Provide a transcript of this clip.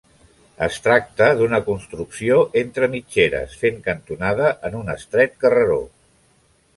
Es tracta d'una construcció entre mitgeres, fent cantonada en un estret carreró.